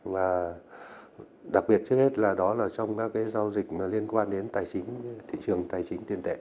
và đặc biệt trước hết là trong các giao dịch liên quan đến thị trường tài chính tiền tệ